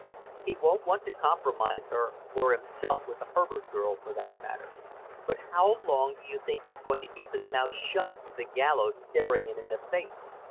He won't want to compromise her, or himself with the Herbert girl, for that matter; but how long do you think he's going to keep his mouth shut with the gallows staring him in the face?